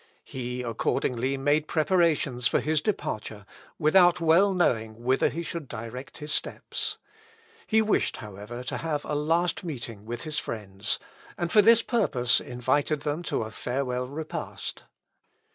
He accordingly made preparations for his departure, without well knowing whither he should direct his steps. He wished, however, to have a last meeting with his friends, and for this purpose invited them to a farewell repast.